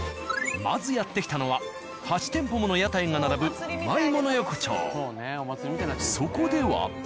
まずやって来たのは８店舗もの屋台が並ぶそこでは。